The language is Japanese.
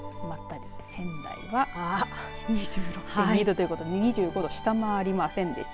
仙台は２６．２度ということで２５度を下回りませんでした。